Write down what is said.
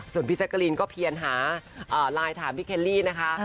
ส่วนพี่แจ๊กกะลีนก็เพียนหาไลน์ถามพี่เคลลี่นะคะ